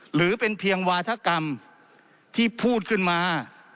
หรือเป็นเพียงวาธกรรมที่พูดขึ้นมา